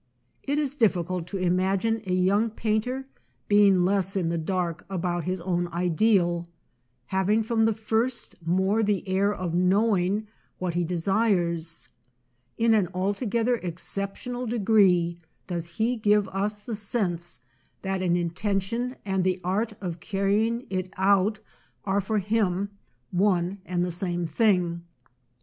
It is difficult to imagine a young painter being less in the dark about his own ideal, having from the first more the air of knowing what he â¢desires. In an altogether exceptional de gree does he give us the sense that an in tention and the art of carrying it out are for him one and the same thing.